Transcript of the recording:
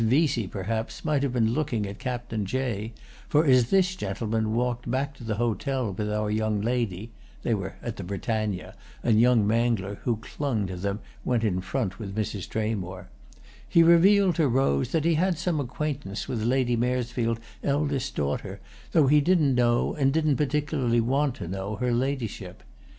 Vesey, perhaps, might have been looking at Captain Jay, for as this gentleman walked back to the hotel with our young lady (they were at the "Britannia," and young Mangler, who clung to them, went in front with Mrs. Tramore) he revealed to Rose that he had some acquaintance with Lady Maresfield's eldest daughter, though he didn't know and didn't particularly want to know, her ladyship.